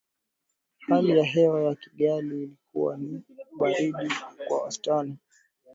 Hali ya hewa ya Kigali ilikuwa ni ya ubaridi kwa wastani